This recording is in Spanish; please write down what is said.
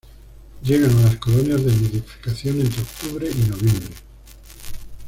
Llegan a las colonias de nidificación entre octubre y noviembre.